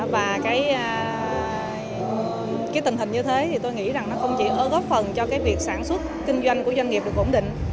và cái tình hình như thế thì tôi nghĩ rằng nó không chỉ góp phần cho cái việc sản xuất kinh doanh của doanh nghiệp được ổn định